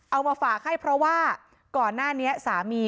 เอามาฝากให้เพราะว่าก่อนหน้านี้สามี